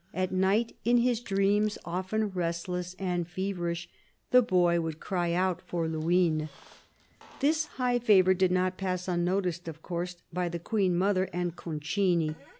At night in his dreams, often restless and feverish, the boy would cry out for Luynes. This high favour did not pass unnoticed, of course, by the Queen mother and Concini.